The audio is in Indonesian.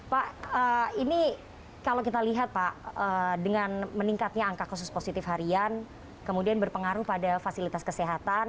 pak ini kalau kita lihat pak dengan meningkatnya angka kasus positif harian kemudian berpengaruh pada fasilitas kesehatan